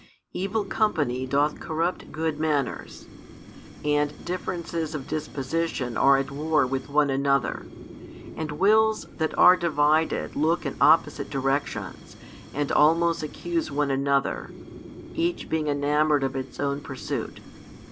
Evil company doth corrupt good manners, and differences of disposition are at war with one another, and wills that are divided look in opposite directions and almost accuse one another: each being enamoured of its |415 own pursuit.